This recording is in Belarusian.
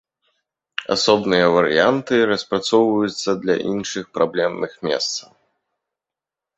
Асобныя варыянты распрацоўваюцца для іншых праблемных месцаў.